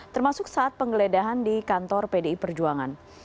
termasuk saat penggeledahan di kantor pdi perjuangan